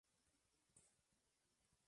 Se inició en el Club Nazca de la Historieta.